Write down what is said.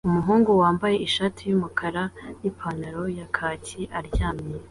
Umuhungu wambaye ishati yumukara nipantaro ya kaki aryamye